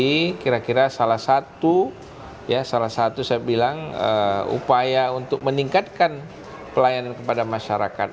jadi kira kira salah satu ya salah satu saya bilang upaya untuk meningkatkan pelayanan kepada masyarakat